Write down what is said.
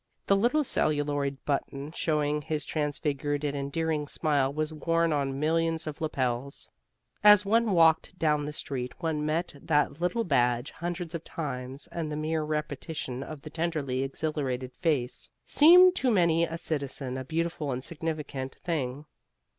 The little celluloid button showing his transfigured and endearing smile was worn on millions of lapels. As one walked down the street one met that little badge hundreds of times, and the mere repetition of the tenderly exhilarated face seemed to many a citizen a beautiful and significant thing.